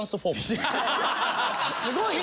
すごいね。